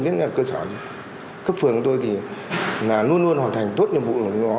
dưới cơ sở cấp phường của tôi thì là luôn luôn hoàn thành tốt nhiệm vụ của nó